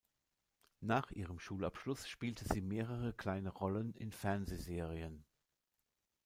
Nach ihrem Schulabschluss spielte sie mehrere kleine Rollen in Fernsehserien.